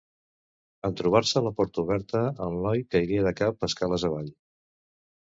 En trobar-se la porta oberta, el noi caigué de cap escales avall.